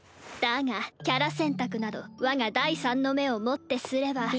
だがキャラ選択など我が第三の目をもってすれば。